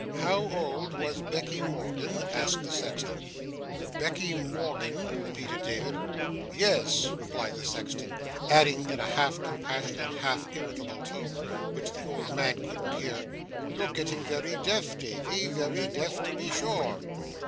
'How old was Becky Morgan?' asked the sexton. 'Becky Morgan?' repeated David. 'Yes,' replied the sexton; adding in a half compassionate, half irritable tone, which the old man couldn't hear, 'you're getting very deaf, Davy, very deaf to be sure!